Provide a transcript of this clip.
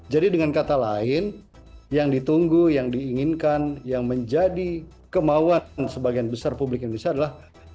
jadi dengan kata lain yang ditunggu yang diinginkan yang menjadi kemauan sebagian besar publik indonesia adalah